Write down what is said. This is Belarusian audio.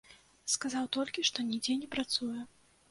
Сказаў толькі, што нідзе не працуе.